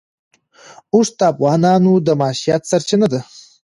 اوښ د افغانانو د معیشت سرچینه ده.